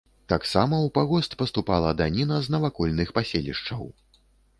Таксама ў пагост паступала даніна з навакольных паселішчаў.